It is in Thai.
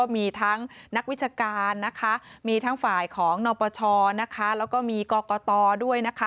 มีทั้งนักวิชาการมีทั้งฝ่ายของนรปชแล้วก็มีกกด้วย